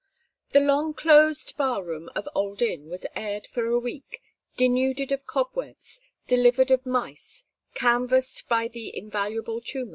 XV The long closed bar room of Old Inn was aired for a week, denuded of cobwebs, delivered of mice, canvassed by the invaluable Chuma.